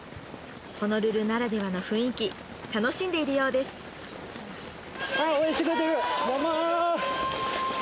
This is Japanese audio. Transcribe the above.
ホノルルならではの雰囲気楽しんでいるようです頑張ってください！